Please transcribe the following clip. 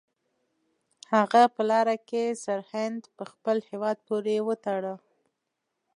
هغه په لاره کې سرهند په خپل هیواد پورې وتاړه.